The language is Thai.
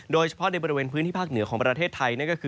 โดยเฉพาะในบริเวณพื้นที่ภาคเหนือของประเทศไทย